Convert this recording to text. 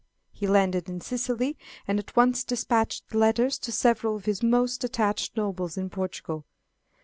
He landed in Sicily, and at once despatched letters to several of his most attached nobles in Portugal.